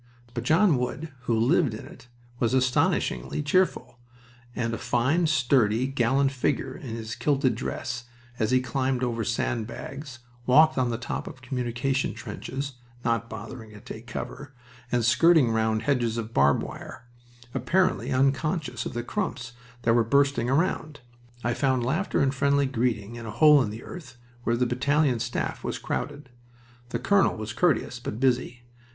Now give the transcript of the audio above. But John Wood, who lived in it, was astoundingly cheerful, and a fine, sturdy, gallant figure, in his kilted dress, as he climbed over sand bags, walked on the top of communication trenches (not bothering to take cover) and skirting round hedges of barbed wire, apparently unconscious of the "crumps" that were bursting around. I found laughter and friendly greeting in a hole in the earth where the battalion staff was crowded. The colonel was courteous, but busy.